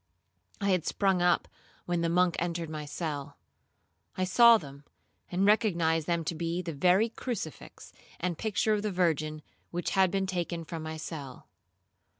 I had sprung up when the monk entered my cell; I saw them, and recognized them to be the very crucifix and picture of the Virgin which had been taken from my cell.